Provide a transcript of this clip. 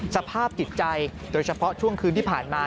สภาพจิตใจโดยเฉพาะช่วงคืนที่ผ่านมา